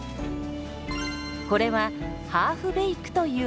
これは「ハーフベーク」という方法。